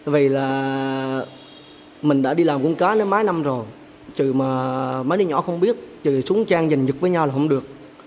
vậy là mình đã đi làm quân cá mấy năm rồi trừ mà mấy đứa nhỏ không biết trừ súng trang dành nhực với nhau là không được